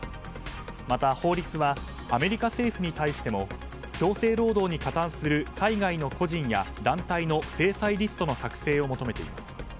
また法律はアメリカ政府に対しても強制労働に加担する海外の個人や団体の制裁リストの作成を求めています。